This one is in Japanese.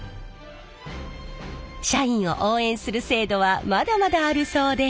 社員を応援する制度はまだまだあるそうで。